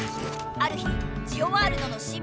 ある日ジオワールドのシンボル